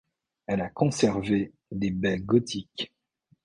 Elle a conservé des baies gothiques.